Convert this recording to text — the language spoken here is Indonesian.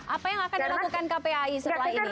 apa yang akan dilakukan kpai setelah ini